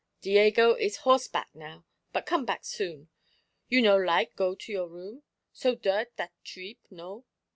Diego is horseback now, but come back soon. You no like go to your room? So dirt that treep, no?